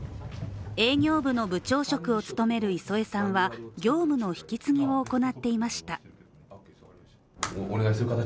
営業部の部長職を務める磯江さんは業務の引き継ぎを行っていました。